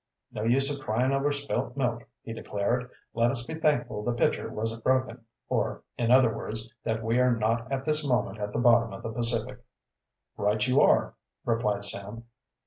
"No use of crying over spilt milk," he declared. "Let us be thankful the pitcher wasn't broken, or, in other words, that we are not at this moment at the bottom of the Pacific." "Right you are," replied Sam.